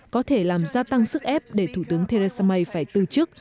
có thể làm gia tăng sức ép để thủ tướng theresa may phải từ chức